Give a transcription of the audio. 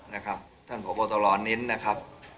นะครับท่านผัวโปรตรอนินนะครับ